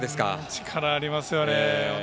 力ありますよね。